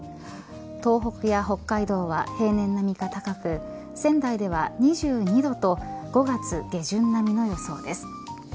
東北や北海道は平年並みか高く仙台では２２度と５月下旬並みの予想です。